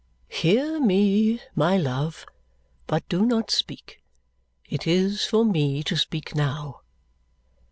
"Hear me, my love, but do not speak. It is for me to speak now.